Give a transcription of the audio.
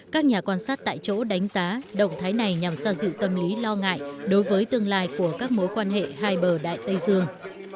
các nhà quan sát tại chỗ đánh giá động thái này nhằm xoa dịu tâm lý lo ngại đối với tương lai của các mối quan hệ hai bờ đại tây dương